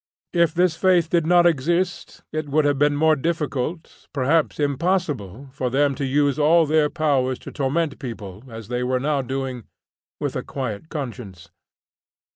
If this faith did not exist it would have been more difficult, perhaps impossible, for them to use all their powers to torment people, as they were now doing, with a quiet conscience.